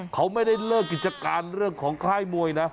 เขาไม่ได้เลิกกิจการเรื่องของค่ายมวยนะ